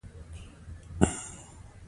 شتمن خلک د خپل مال په اړه حساب لري.